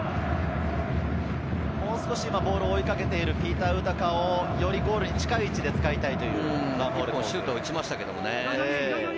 もう少しボールを追いかけているピーター・ウタカを、よりゴールに近い位置で使いたいヴァンフォーレ甲府です。